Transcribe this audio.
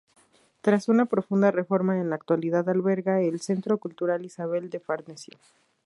Tras una profunda reforma, en la actualidad alberga el Centro Cultural Isabel de Farnesio.